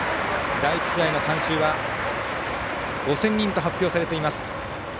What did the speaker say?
第１試合の観衆は５０００人と発表されています。